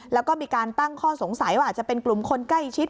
แล้วก็มีการตั้งข้อสงสัยว่าอาจจะเป็นกลุ่มคนใกล้ชิด